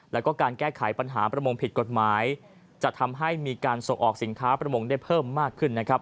แล้วก็การแก้ไขปัญหาประมงผิดกฎหมายจะทำให้มีการส่งออกสินค้าประมงได้เพิ่มมากขึ้นนะครับ